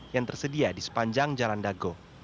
yang tersedia di sepanjang jalan dago